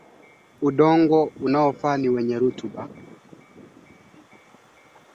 zaidi ya makundi mia moja ishirini yaliyopo katika eneo la mashariki mwa